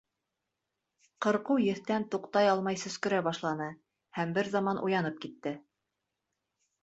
Ҡырҡыу еҫтән туҡтай алмай сөскөрә башланы һәм бер заман уянып китте.